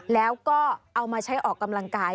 แล้วก็เอามาใช้ออกกำลังกาย